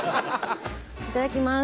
いただきます。